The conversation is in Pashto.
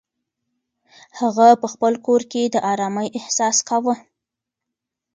هغه په خپل کور کې د ارامۍ احساس کاوه.